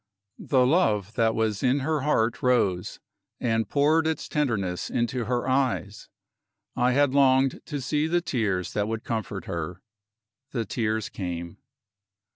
The love that was in her heart rose, and poured its tenderness into her eyes. I had longed to see the tears that would comfort her. The tears came.